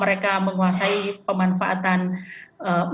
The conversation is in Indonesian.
mereka menguasai pemanfaatan mereka menguasai pemanfaatan